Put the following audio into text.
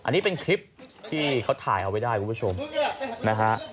อันนี้เป็นคลิปที่เขาถ่ายเอาไว้ได้คุณผู้ชมนะฮะ